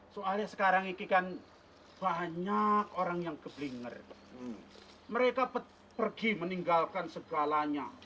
soalnya sekarang ini kan banyak orang yang keblinger mereka pergi meninggalkan segalanya